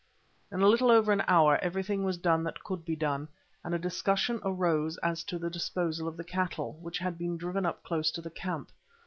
In a little over an hour everything was done that could be done, and a discussion arose as to the disposal of the cattle, which had been driven up close to the camp.